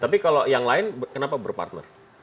tapi kalau yang lain kenapa berpartner